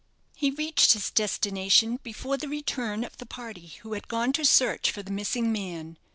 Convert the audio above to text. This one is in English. He reached his destination before the return of the party who had gone to search for the missing man.